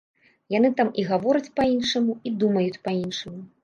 Яны там і гавораць па-іншаму, і думаюць па-іншаму.